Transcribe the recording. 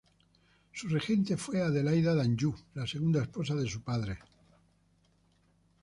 Su regente fue Adelaida de Anjou, la segunda esposa de su padre.